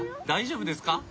大丈夫ですか？